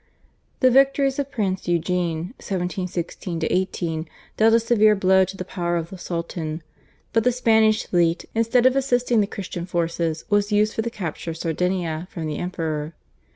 The victories of Prince Eugene (1716 18) dealt a severe blow to the power of the Sultan, but the Spanish fleet instead of assisting the Christian forces was used for the capture of Sardinia from the Emperor.